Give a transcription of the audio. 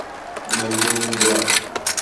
Mantiene un blog.